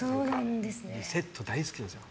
リセット大好きです。